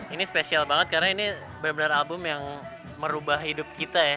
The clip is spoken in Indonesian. ini spesial banget karena ini benar benar album yang merubah hidup kita ya